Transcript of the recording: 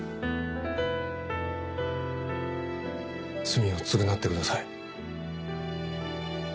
罪を償ってください。